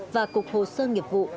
và cục hồ sơ nghiệp vụ